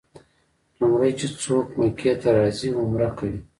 لومړی چې څوک مکې ته راځي عمره کوي.